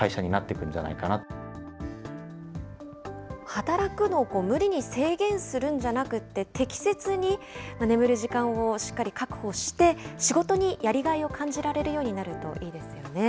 働くのを無理に制限するんじゃなくて、適切に眠る時間をしっかり確保して、仕事にやりがいを感じられるようになるといいですよね。